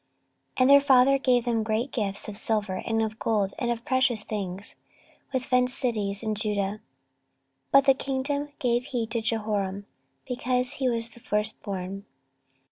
14:021:003 And their father gave them great gifts of silver, and of gold, and of precious things, with fenced cities in Judah: but the kingdom gave he to Jehoram; because he was the firstborn.